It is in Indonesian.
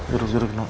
duduk duduk no